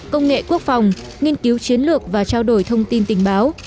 công nghệ quốc phòng nghiên cứu chiến lược và trao đổi thông tin tình báo